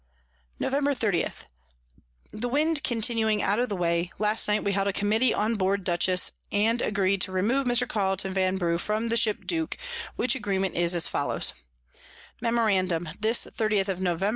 Nov. 30. The Wind continuing out of the way, last night we held a Committee on board the Dutchess, and agreed to remove Mr. Carleton Vanbrugh from the Ship Duke; which Agreement is as follows: Memorandum, This 30th of Novemb.